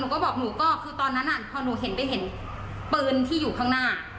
ก็บอกหนูก็คือตอนนั้นพอหนูเห็นไปเห็นปืนที่อยู่ข้างหน้า